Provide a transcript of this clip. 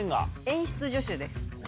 演出助手です。